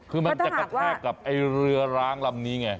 คือมันจะกระแทกกับไอ้เรือร้างลำนี้ไง